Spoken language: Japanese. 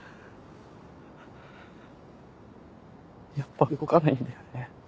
やっぱ動かないんだよね